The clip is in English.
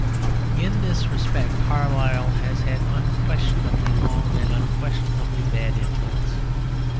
In this respect Carlyle has had unquestionably long and an unquestionably bad influence.